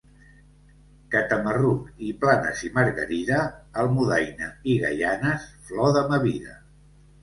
Catamarruc i Planes i Margarida, Almudaina i Gaianes, flor de ma vida.